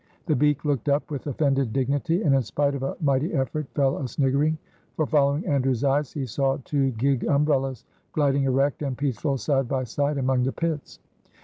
The beak looked up with offended dignity, and, in spite of a mighty effort, fell a sniggering. For following Andrew's eyes he saw two gig umbrellas gliding erect and peaceful side by side among the pits.